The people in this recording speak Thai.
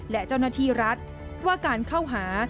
และเจ้าหน้าที่รัฐว่าการเข้าหา